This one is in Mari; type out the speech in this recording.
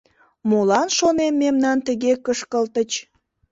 Молан, шонем, мемнам тыге кышкылтыч!